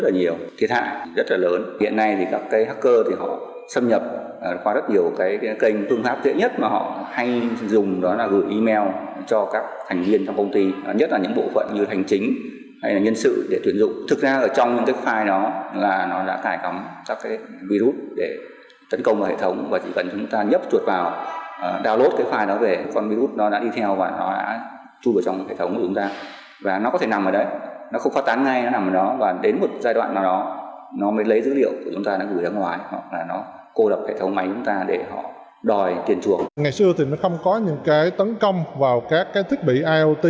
ngày xưa thì nó không có những cái tấn công vào các cái thiết bị iot